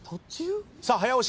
さあ早押し。